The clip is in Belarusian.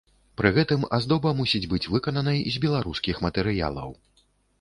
Пры гэтым аздоба мусіць быць выкананай з беларускіх матэрыялаў.